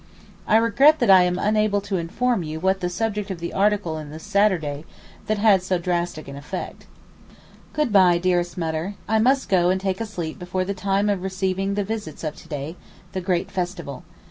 I regret that I am unable to inform you what the subject of the article in the Saturday which had so drastic an effect. Good bye, dearest Mutter, I must go and take a sleep before the time of receiving the visits of to day (the great festival).